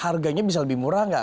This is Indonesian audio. harganya bisa lebih murah nggak